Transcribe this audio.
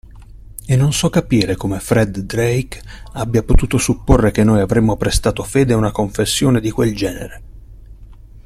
E non so capire come Fred Drake abbia potuto supporre che noi avremmo prestato fede a una confessione di quel genere!